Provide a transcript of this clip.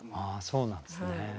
そうなんですね。